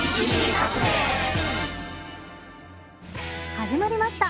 始まりました。